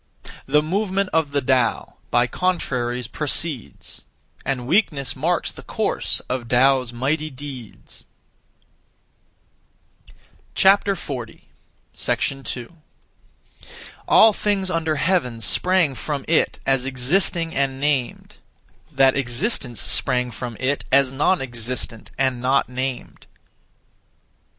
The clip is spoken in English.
The movement of the Tao By contraries proceeds; And weakness marks the course Of Tao's mighty deeds. 2. All things under heaven sprang from It as existing (and named); that existence sprang from It as non existent (and not named).